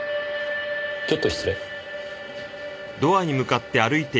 ちょっと失礼。